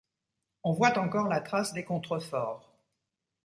On voit encore la trace des contreforts.